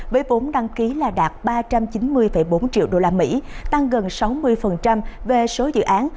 với vốn đăng ký là đạt ba trăm chín mươi bốn triệu đô la mỹ tăng gần sáu mươi về số dự án